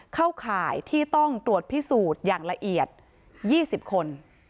ข่ายที่ต้องตรวจพิสูจน์อย่างละเอียด๒๐คน